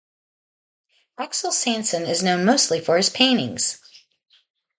Axel Sanson is known mostly for his paintings.